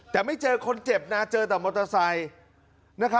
แต่ไม่เจอคนเจ็บนะเจอแต่มอเตอร์ไซค์